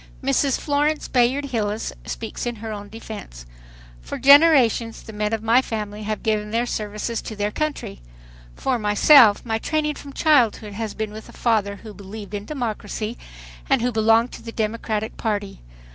Mrs. Florence Bayard Hilles speaks in her own defense: "For generations the men of my family have given their services to their country. For myself, my training from childhood has been with a father who believed in democracy and who belonged to the Democratic Party.